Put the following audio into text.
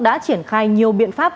đã triển khai nhiều biện pháp